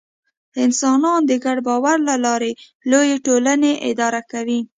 انسانان د ګډ باور له لارې لویې ټولنې اداره کوي.